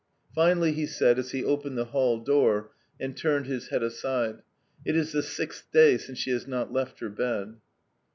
Finally he said as he opened the hall door and turned his head aside: "It is the sixth day since she has not left her bed."